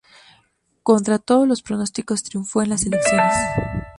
Contra todos los pronósticos, triunfó en las elecciones.